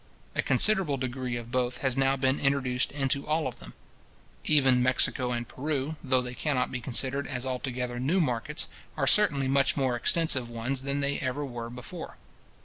A considerable degree of both has now been introduced into all of them. Even Mexico and Peru, though they cannot be considered as altogether new markets, are certainly much more extensive ones than they ever were before.